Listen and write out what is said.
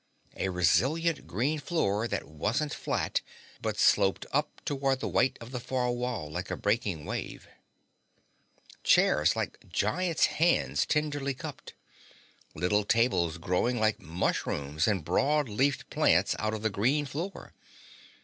A resilient green floor that wasn't flat, but sloped up toward the white of the far wall like a breaking wave. Chairs like giants' hands tenderly cupped. Little tables growing like mushrooms and broad leafed plants out of the green floor.